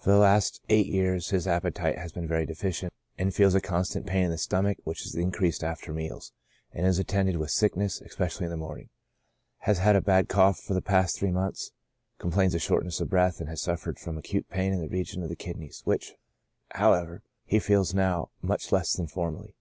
For the last eight years his appetite has been very deficient, and he feels a constant pain in the stomach, vi^hich is increased after meals, and is attended w^ith sickness, especially in the morning. Has had a bad cough for the past three months, complains of shortness of breath, and has suffered from acute pain in the region of the kidneys, which, however, he feels now much less than formerly.